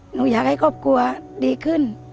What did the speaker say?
หนูอยากให้ครอบครัวดีขึ้น